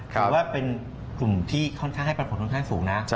คือว่าเป็นกลุ่มที่ให้ปันผลค่อนข้างสูงนะ